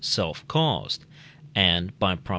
self caused, and (by Prop.